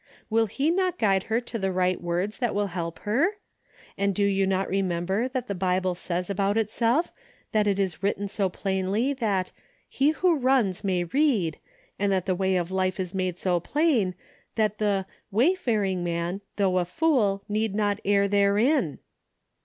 Will he not guide her to the right words that will help her ? And do you not remember that the Bible says about itself, that it is written so plainly that 'he who runs may read' and that the way of life is made so plain that the ' wayfaring man, though a fool, need not err therein '